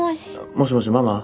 もしもしママ？